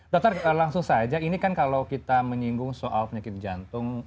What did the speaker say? dokter langsung saja ini kan kalau kita menyinggung soal penyakit jantung